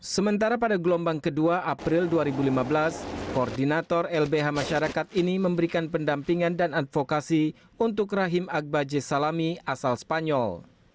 sementara pada gelombang kedua april dua ribu lima belas koordinator lbh masyarakat ini memberikan pendampingan dan advokasi untuk rahim akbaje salami asal spanyol